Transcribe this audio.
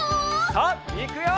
さあいくよ！